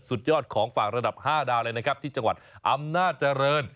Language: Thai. ยอดของฝากระดับ๕ดาวเลยนะครับที่จังหวัดอำนาจเจริญ